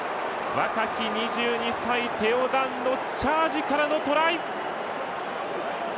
若き２２歳、テオ・ダンのチャージからのトライ！